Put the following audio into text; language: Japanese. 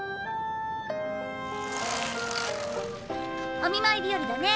お見舞い日和だね